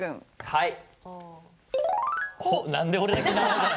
はい。